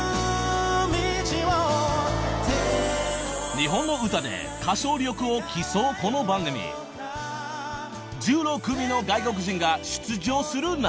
日本の歌で歌唱力を競うこの番組１６人の外国人が出場する中